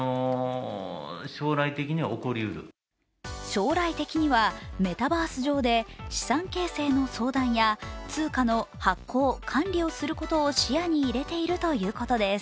将来的にはメタバース上で資産形成の相談や通貨の発行、管理をすることを視野に入れているということです。